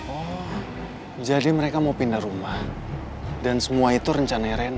oh jadi mereka mau pindah rumah dan semua itu rencana ronald